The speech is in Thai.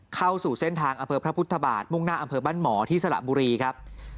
เข้าสู่เส้นทางอำเภอพระพุทธบาทมุ่งหน้าอำเภอบ้านหมอที่สระบุรีครับ